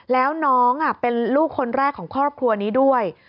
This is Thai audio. แล้วน้องเป็นลูกคนแรกของครอบครัวนี้ด้วย